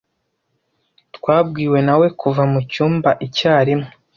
Twabwiwe na we kuva mucyumba icyarimwe.